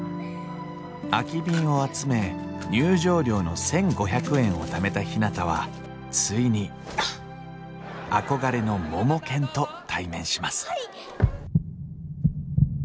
空き瓶を集め入場料の１，５００円をためたひなたはついに憧れのモモケンと対面します